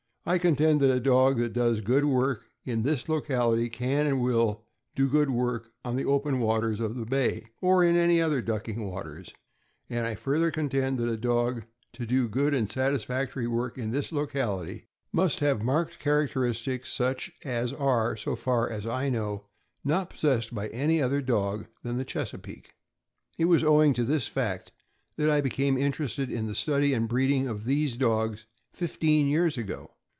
I contend that a dog that does good work in this locality can and will do good work on the open waters of the bay, or in any other ducking waters; and I further contend that a dog, to do good and satisfactory work in this locality, must have marked characteristics such as are, so far as I know, not possessed by any other dog than the Chesapeake. It was owing to this fact that I became interested in the study and breeding of these dogs fifteen years ago.